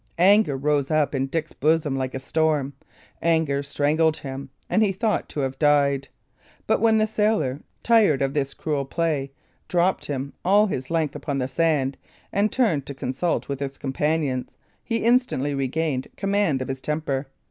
Anger rose up in Dick's bosom like a storm; anger strangled him, and he thought to have died; but when the sailor, tired of this cruel play, dropped him all his length upon the sand and turned to consult with his companions, he instantly regained command of his temper.